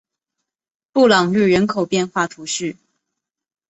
布朗日人口变化图示